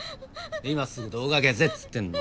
今すぐ動画消せっつってんだ。